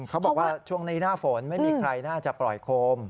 เขาบอกว่าช่วงนี้หน้าฝนไม่มีใครน่าจะปล่อยโคม